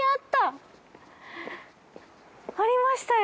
ありましたよ